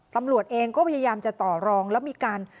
ตำรวจเองก็พยายามจะต่อรองแล้วมีการ